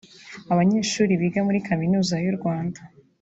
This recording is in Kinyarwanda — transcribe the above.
Abanyeshuri biga muri Kaminuza y’u Rwanda